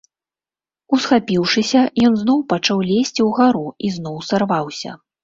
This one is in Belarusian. Усхапіўшыся, ён зноў пачаў лезці ўгару і зноў сарваўся.